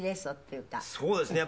そうですね。